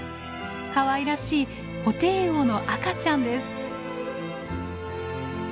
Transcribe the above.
かわいらしいホテイウオの赤ちゃんです。